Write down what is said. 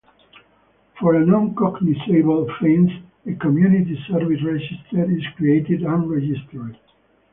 For a non cognizable offense a Community Service Register is created and registered.